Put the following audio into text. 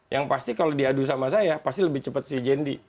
yang pasti kalau diadu sama saya pasti lebih cepat si jendi